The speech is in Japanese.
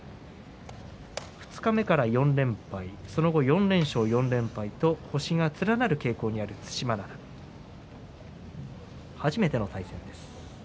二日目から４連敗、その後４連勝４連敗と星が連なる傾向にある對馬洋です。